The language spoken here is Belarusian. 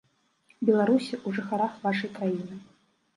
Беларусі, у жыхарах вашай краіны.